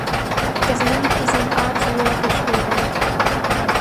Das Lied ist in A-Dur geschrieben.